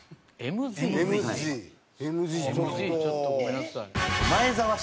ＭＺちょっとごめんなさい。